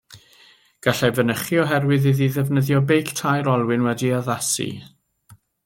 Gallai fynychu oherwydd iddi ddefnyddio beic tair olwyn wedi'i addasu.